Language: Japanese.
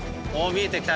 見えてきた。